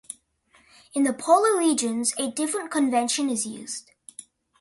In the polar regions, a different convention is used.